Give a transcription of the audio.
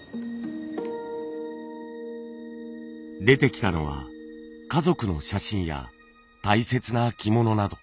出てきたのは家族の写真や大切な着物など。